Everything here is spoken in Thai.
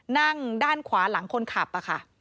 นั่งด้านขวาหลังคนขับค่ะ